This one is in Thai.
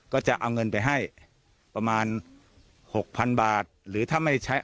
ก็จะเอาเงินไปให้ประมาณ๖๐๐๐บาทหรือถ้าไม่ใช้